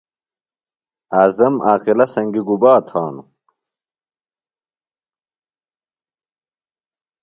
اعظم عاقلہ سنگیۡ گُبا تھانوۡ ؟